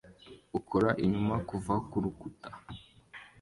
ukora inyuma kuva kurukuta